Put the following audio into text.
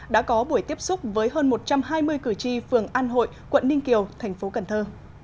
đã có buổi tiếp xúc với hơn một trăm hai mươi cử tri phường an hội quận ninh kiều thành phố cần thơ